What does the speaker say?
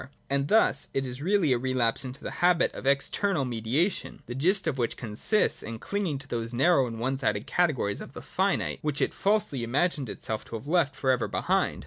And thus it is really a relapse into the habit of external mediation, the gist of which consists in clinging to those narrow and one sided categories of the finite, which it falsely imagined itself to have left for ever behind.